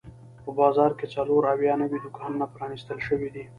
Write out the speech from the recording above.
په بازار کې څلور اویا نوي دوکانونه پرانیستل شوي دي.